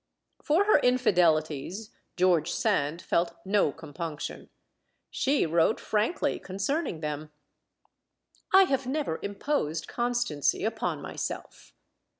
For her infidelities George Sand felt no compunc tion. She wrote frankly concerning them: I have never imposed constancy upon myself.